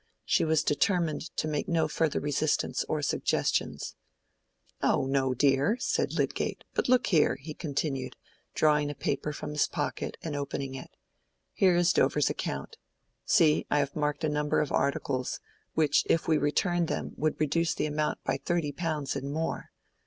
She was determined to make no further resistance or suggestions. "Oh no, dear!" said Lydgate. "But look here," he continued, drawing a paper from his pocket and opening it; "here is Dover's account. See, I have marked a number of articles, which if we returned them would reduce the amount by thirty pounds and more.